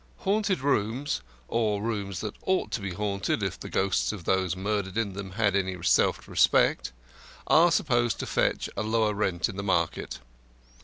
Haunted rooms or rooms that ought to be haunted if the ghosts of those murdered in them had any self respect are supposed to fetch a lower rent in the market.